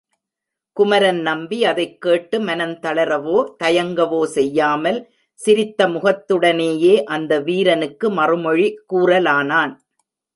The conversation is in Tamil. குமரன் நம்பி அதைக்கேட்டு மனந்தளரவோ தயங்கவோ செய்யாமல் சிரித்த முகத்துடனேயே அந்த வீரனுக்கு மறுமொழி கூறலானான்.